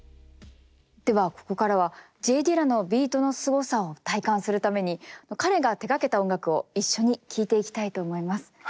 ではここからはＪ・ディラのビートのすごさを体感するために彼が手がけた音楽を一緒に聴いていきたいと思います。